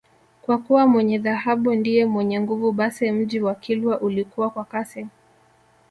Kwa kuwa mwenye dhahabu ndiye mwenye nguvu basi mji wa Kilwa ulikua kwa kasi